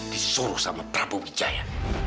disuruh sama prabu wijaya